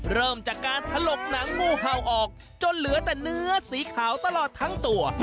เริ่มจากการถลกหนังงูเห่าออกจนเหลือแต่เนื้อสีขาวตลอดทั้งตัว